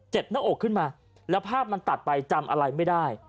หน้าอกขึ้นมาแล้วภาพมันตัดไปจำอะไรไม่ได้